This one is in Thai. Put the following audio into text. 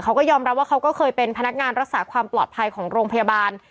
เขาก็ยอมรับว่าเขาก็เคยเป็นพนักงานรักษาความปลอดภัยของโรงพยาบาล